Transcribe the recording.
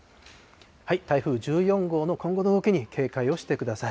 台風１４号の今後の動きに警戒をしてください。